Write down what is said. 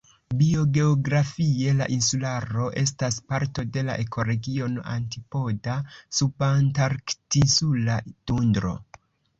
Biogeografie la insularo estas parto de la ekoregiono "antipoda-subantarktinsula tundro".